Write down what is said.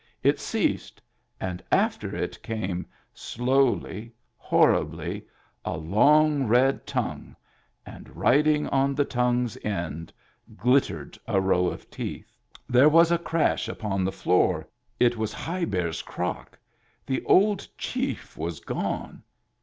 It ceased, and after it came slowly, horribly, a long red tongue, and riding on the tongue's end glittered a row of teeth. There was a crash upon the floor. It was High Bear's crock. The old chief was gone.